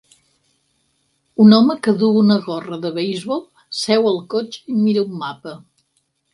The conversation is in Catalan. Un home que duu una gorra de beisbol seu al cotxe i mira un mapa.